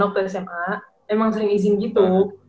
waktu sma emang sering izin gitu